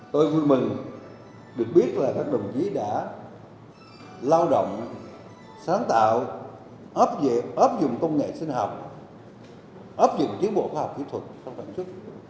tôi vui mừng được biết là các đồng chí đã lao động sáng tạo ấp dụng công nghệ sinh học ấp dụng chiến bộ khoa học kỹ thuật trong thành phố